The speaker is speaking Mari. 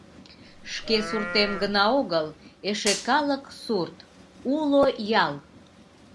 Шке суртем гына огыл, эше калык сурт... уло ял!